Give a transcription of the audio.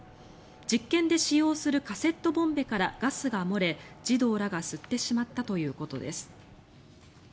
実験で使用するカセットボンベからガスが漏れ児童らが吸ってしまったということです。